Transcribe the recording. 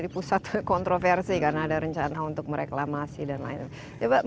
ini kan sekarang jadi pusat kontroversi karena ada rencana untuk mereklamasi dan lain sebagainya